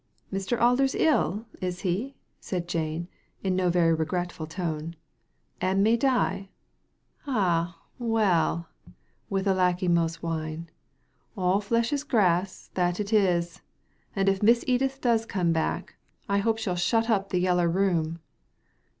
"Mr Alder's ill, is he?" said Jane, in no very r^retful tone, "and may die. Ah, well," with a lachrymose whine, " all flesh is grass, that it is ; and if Miss Edith does come back I hope she'll shut up the Yeller Room."